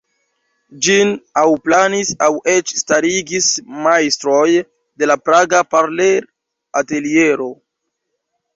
Ĝin aŭ planis aŭ eĉ starigis majstroj de la praga Parler-ateliero.